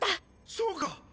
そうか！